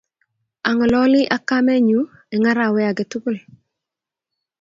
ang'ololi ak kamenyu eng' arawe age tugul